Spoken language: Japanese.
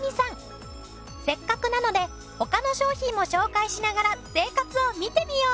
せっかくなので他の商品も紹介しながら生活を見てみよう！